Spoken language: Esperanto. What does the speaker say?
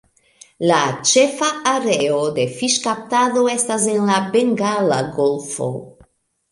La ĉefa areo de fiŝkaptado estas en la Bengala Golfo.